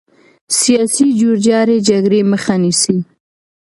سیاسي جوړجاړی جګړې مخه نیسي